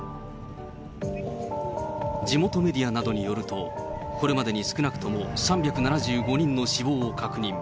地元メディアなどによると、これまでに少なくとも３７５人の死亡を確認。